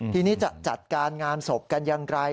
ทีนี้จะจัดการงานศพกันอย่างไร